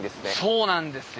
そうなんですよ。